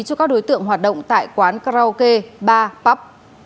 cho các đối tượng hoạt động tại quán karaoke ba pup